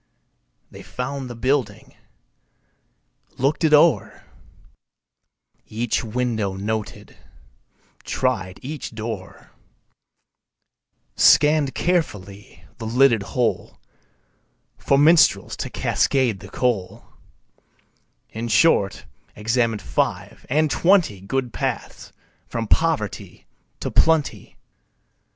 They found the building, looked it o'er, Each window noted, tried each door, Scanned carefully the lidded hole For minstrels to cascade the coal In short, examined five and twenty Good paths from poverty to plenty.